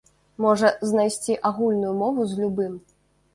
Можа знайсці агульную мову з любым.